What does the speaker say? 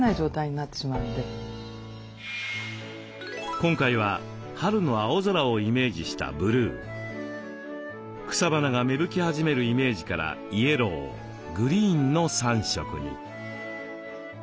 今回は春の青空をイメージしたブルー草花が芽吹き始めるイメージからイエローグリーンの３色に。